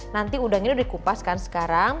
nanti udangnya udah dikupas kan sekarang